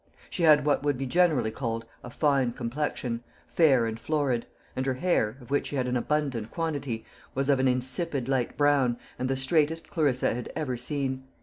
She had what would be generally called a fine complexion, fair and florid; and her hair, of which she had an abundant quantity, was of an insipid light brown, and the straightest Clarissa had ever seen.